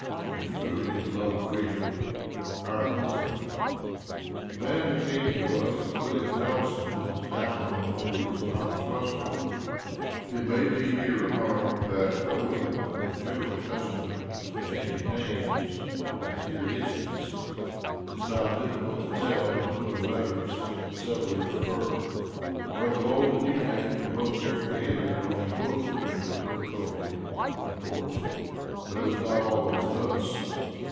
Yours truly in the love of freedom, HIRAM WILSON. The man who came to us as Wm. Nelson, is now known only as "Thomas Russell." It may here be remarked, that, owing to the general custom of changing names, as here instanced, it is found difficult to tell to whom the letters severally refer. Where the old and new names were both carefully entered on the book there is no difficulty, of course, but it was not always thus.